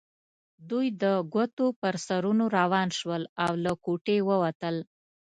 دوی د ګوتو پر سرونو روان شول او له کوټې ووتل.